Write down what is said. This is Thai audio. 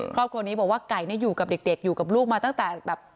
ครอบครัวนี้บอกว่าไก่อยู่กับเด็กอยู่กับลูกมาตั้งแต่แบบ